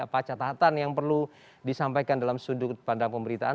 apa catatan yang perlu disampaikan dalam sudut pandang pemberitaan